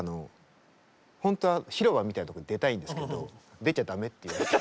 ほんとは広場みたいなところに出たいんですけど出ちゃダメって言われて。